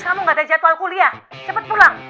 kamu gak ada jadwal kuliah cepat pulang